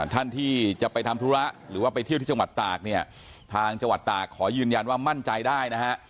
ท่านที่จะไปทำธุระหรือว่าไปเที่ยวที่จังหวัดตากเนี่ยทางจังหวัดตากขอยืนยันว่ามั่นใจได้นะฮะ